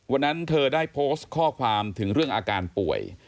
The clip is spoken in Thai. วันนั้นเธอได้โพสต์ข้อความถึงเรื่องอาการป่วย